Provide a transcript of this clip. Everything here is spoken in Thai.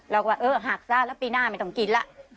เราก็เออหักซะแล้วปีหน้าไม่ต้องกินแล้ว